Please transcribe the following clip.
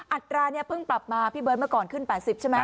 อัตรานี้เพิ่งปรับมาพี่เบิร์ตเมื่อก่อนขึ้น๘๐ใช่ไหม